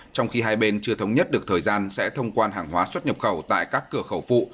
trong khi hai bên chưa thống nhất được thời gian sẽ thông quan hàng hóa xuất nhập khẩu tại các cửa khẩu phụ